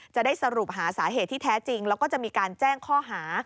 จะได้สรุปหาสาเหตุที่แท้จริงแล้วก็จะมีการแจ้งข้อหา